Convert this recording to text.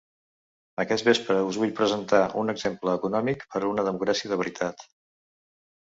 Aquest vespre us vull presentar un exemple econòmic per a una democràcia de veritat.